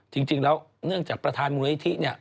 จริงแล้วเนื่องจากประธานมูลนิธิเนี่ย